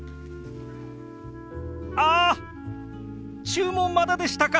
あ注文まだでしたか！